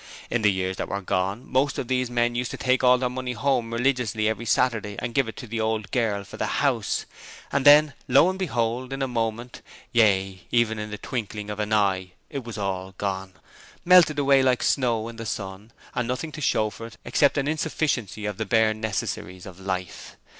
In the years that were gone, most of these men used to take all their money home religiously every Saturday and give it to the 'old girl' for the house, and then, lo and behold, in a moment, yea, even in the twinkling of an eye, it was all gone! Melted away like snow in the sun! and nothing to show for it except an insufficiency of the bare necessaries of life!